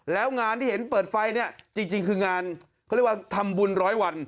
แล้วงานที่เห็นเปิดไฟเนี่ยจริงคืองานเขาเรียกว่าทำบุญร้อยวัน